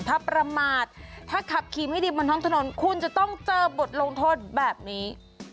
ถ้าประมาทถ้าขับขี่ไม่ดีบนท้องถนนคุณจะต้องเจอบทลงโทษแบบนี้